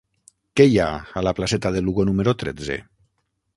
Què hi ha a la placeta de Lugo número tretze?